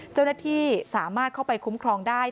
เจ้าหน้าที่สามารถเข้าไปคุ้มครองได้